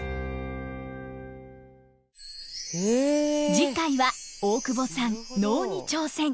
次回は大久保さん能に挑戦。